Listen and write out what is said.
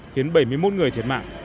khiến bảy mươi một người thiệt mạng